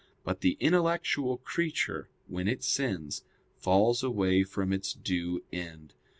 But the intellectual creature, when it sins, falls away from its due end.